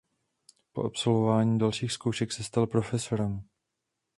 Po absolvování dalších zkoušek se stal profesorem.